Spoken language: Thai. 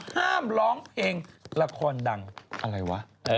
แกะไม่ได้แล้ว